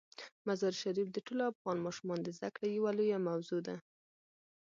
مزارشریف د ټولو افغان ماشومانو د زده کړې یوه لویه موضوع ده.